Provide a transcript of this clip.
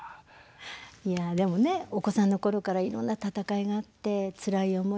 いやでもねお子さんの頃からいろんな闘いがあってつらい思い